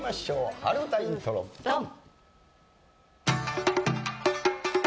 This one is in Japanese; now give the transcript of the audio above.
春うたイントロドン！